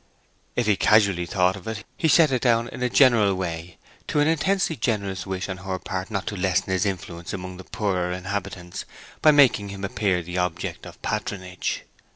If he casually thought of it, he set it down in a general way to an intensely generous wish on her part not to lessen his influence among the poorer inhabitants by making him appear the object of patronage.